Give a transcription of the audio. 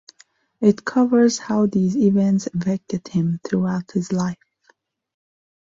It covers how these events affected him throughout his life.